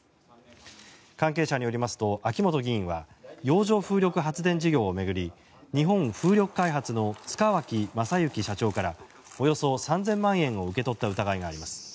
関係者によりますと秋本議員は洋上風力発電事業を巡り日本風力開発の塚脇正幸社長からおよそ３０００万円を受け取った疑いがあります。